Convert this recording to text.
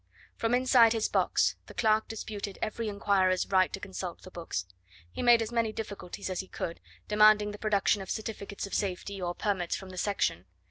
From inside his box the clerk disputed every inquirer's right to consult the books; he made as many difficulties as he could, demanding the production of certificates of safety, or permits from the section.